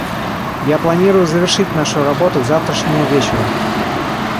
Я планирую завершить нашу работу к завтрашнему вечеру.